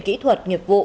kỹ thuật nghiệp vụ